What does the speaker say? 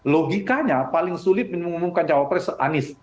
logikanya paling sulit mengumumkan cawapres anies